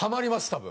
多分。